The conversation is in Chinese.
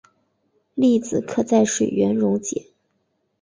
粒子可在水源溶解。